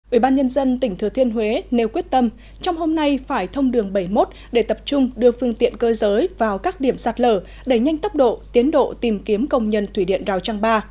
ủy ban nhân dân tỉnh thừa thiên huế nêu quyết tâm trong hôm nay phải thông đường bảy mươi một để tập trung đưa phương tiện cơ giới vào các điểm sạt lở đẩy nhanh tốc độ tiến độ tìm kiếm công nhân thủy điện rào trang ba